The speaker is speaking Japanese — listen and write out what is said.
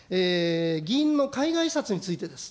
議員の海外視察についてです。